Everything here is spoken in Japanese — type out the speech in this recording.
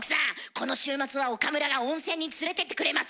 この週末は岡村が温泉に連れてってくれます！